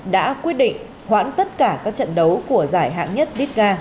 đã quyết định hoãn tất cả các trận đấu của giải hạng nhất ditga